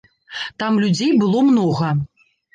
Там людзей было многа.